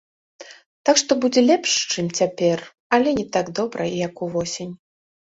Так што будзе лепш, чым цяпер, але не так добра, як увосень.